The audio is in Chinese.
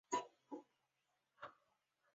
出生于萨克森州的福格特兰。